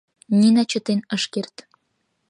Нина чытен ыш керт.